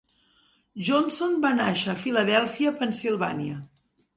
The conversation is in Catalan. Johnson va nàixer a Filadèlfia, Pennsilvània.